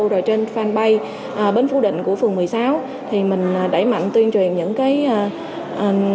rồi trên fanpage bến phú định của phường một mươi sáu thì mình đẩy mạnh tuyên truyền những cái văn bản pháp luật